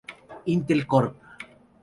Intel Corp.